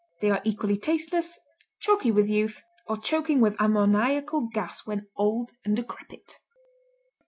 They are equally tasteless, chalky with youth, or choking with ammoniacal gas when old and decrepit.